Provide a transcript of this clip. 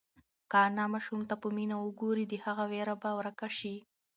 که انا ماشوم ته په مینه وگوري، د هغه وېره به ورکه شي.